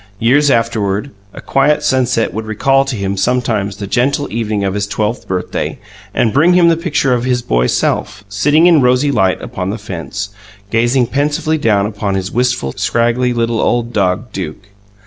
Years afterward, a quiet sunset would recall to him sometimes the gentle evening of his twelfth birthday, and bring him the picture of his boy self, sitting in rosy light upon the fence, gazing pensively down upon his wistful, scraggly, little old dog, Duke.